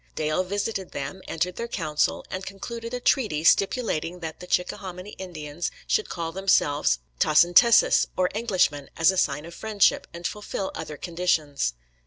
Dale visited them, entered their council, and concluded a treaty stipulating that the Chickahominy Indians should call themselves Tassantessus, or Englishmen, as a sign of friendship, and fulfil other conditions.